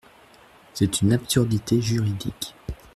C’est une absurdité juridique.